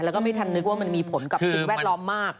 แล้วก็ไม่ทันนึกว่ามันมีผลกับสิ่งแวดล้อมมาก